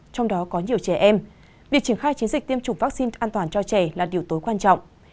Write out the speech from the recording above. trong đó có nhiều trẻ em việc triển khai chiến dịch tiêm chủng vaccine an toàn cho trẻ là điều tối quan trọng